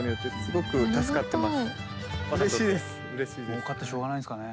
もうかってしょうがないんすかね。